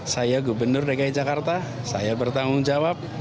saya gubernur dki jakarta saya bertanggung jawab